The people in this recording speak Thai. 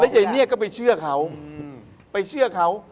ยายเนี่ยก็ไปเชื่อเขาไปเชื่อเขา